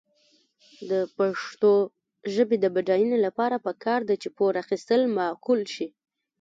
د پښتو ژبې د بډاینې لپاره پکار ده چې پور اخیستل معقول شي.